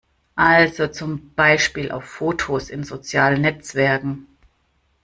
Also zum Beispiel auf Fotos in sozialen Netzwerken.